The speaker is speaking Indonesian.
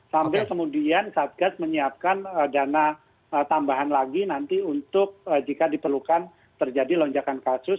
sampai kemudian satgas menyiapkan dana tambahan lagi nanti untuk jika diperlukan terjadi lonjakan kasus